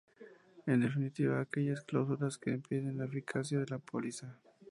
En definitiva, aquellas cláusulas que impiden la eficacia de la póliza.